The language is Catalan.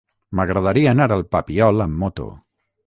M'agradaria anar al Papiol amb moto.